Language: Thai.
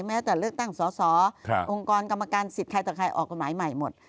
แม้แต่เลือกตั้งสอสอองค์กรกรรมการสิทธิ์ใครต่อใครออกกฎหมายใหม่หมด